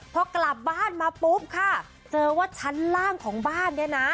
พอกลับบ้านมาปุ๊บค่ะเจอว่าชั้นล่างของบ้านเนี่ยนะ